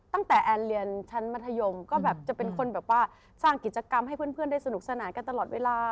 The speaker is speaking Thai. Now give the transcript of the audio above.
ตั้งแต่แอนดรรเรียนชั้นมธรรมก็เป็นคนสร้างกิจกรรมให้เพื่อนได้สนุกสนานกันตลอดเวลา